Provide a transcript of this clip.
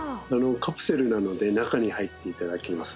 カプセルなので中に入って頂きます。